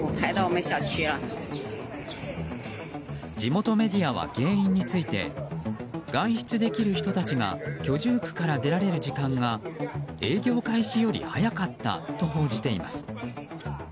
地元メディアは原因について外出できる人たちが居住区から出られる時間が営業開始より早かったと報じています。